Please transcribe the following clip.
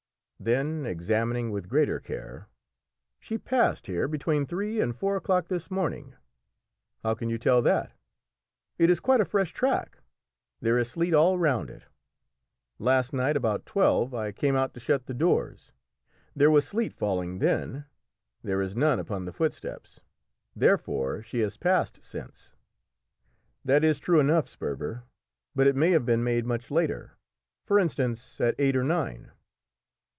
Then examining with greater care "She passed here between three and four o'clock this morning." "How can you tell that?" "It is quite a fresh track; there is sleet all round it. Last night, about twelve, I came out to shut the doors; there was sleet falling then, there is none upon the footsteps, therefore she has passed since." "That is true enough, Sperver, but it may have been made much later; for instance, at eight or nine."